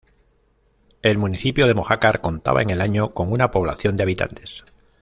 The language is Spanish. El municipio de Mojácar contaba en el año con una población de habitantes.